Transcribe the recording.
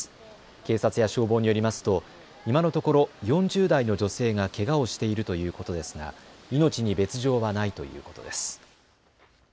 警察や消防によりますと今のところ４０代の女性がけがをしているということですが命に別状はないということです。